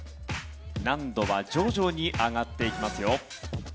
難度は徐々に上がっていきますよ。